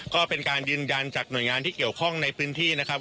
ก็เป็นการยืนยันจากหน่วยงานที่เกี่ยวข้องในพื้นที่นะครับ